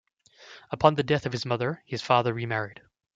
Upon the death of his mother, his father re-married.